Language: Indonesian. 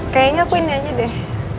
kayaknya aku ini aja deh